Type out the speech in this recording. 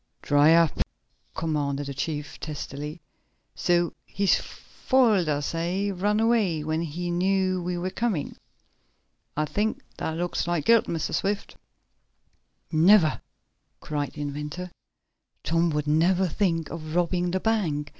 "Dry up!" commanded the chief testily. "So he's foiled us, eh? Run away when he knew we were coming? I think that looks like guilt, Mr. Swift." "Never!" cried the inventor. "Tom would never think of robbing the bank.